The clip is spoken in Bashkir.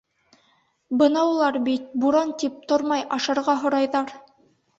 Бынаулар бит... буран тип тормай, ашарға һорайҙар!